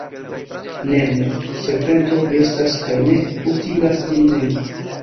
Ne, ne! Serpento vi estas, kaj ne utilas ĝin nei.